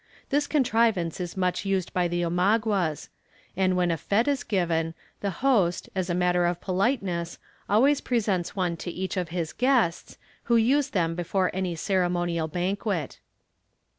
This contrivance is much used by the Omaguas; and when a fête is given, the host, as a matter of politeness, always presents one to each of his guests, who use them before any ceremonial banquet.